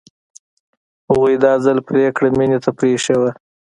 هغوی دا ځل پرېکړه مينې ته پرېښې وه